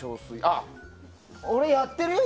俺、やってるよ？